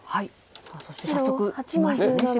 さあそして早速きましたね白。